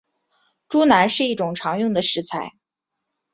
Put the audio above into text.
猪腩是一种常用的食材。